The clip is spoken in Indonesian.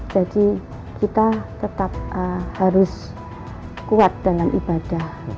jadi kita tetap harus kuat dalam ibadah